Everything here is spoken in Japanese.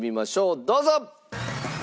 どうぞ！